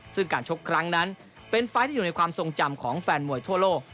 ซึ่งการชกครั้งนั้นเป็นไฟล์ที่อยู่ในความทรงจำของแฟนมวยทั่วโลก